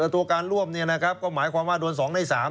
ตัวการร่วมนี่นะก็หมายความว่าโดน๒ใน๓